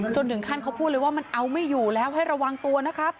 จนถึงขั้นเขาพูดเลยว่ามันเอาไม่อยู่แล้วให้ระวังตัวนะครับ